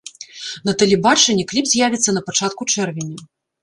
На тэлебачанні кліп з'явіцца на пачатку чэрвеня.